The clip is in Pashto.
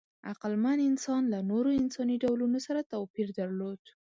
عقلمن انسانان له نورو انساني ډولونو سره توپیر درلود.